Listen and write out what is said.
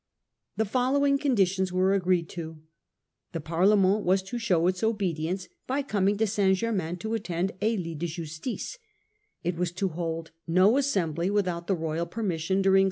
The following conditions were agreed to. The Parle went was to show its obedience by coming to St Conditions Germain to attend a lit de justice ; it was to of the hold no assembly without the royal permission agreement.